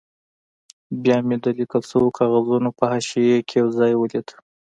بیا مې د لیکل شوو کاغذونو په حاشیه کې یو ځای ولید.